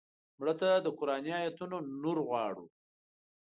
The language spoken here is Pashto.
مړه ته د قرآني آیتونو نور غواړو